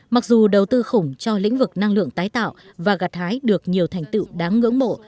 mặc dù đầu tư khủng cho lĩnh vực năng lượng tái tạo và gặt hái được nhiều thành tựu đáng ngưỡng mộ